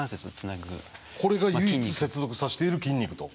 これが唯一接続させている筋肉と。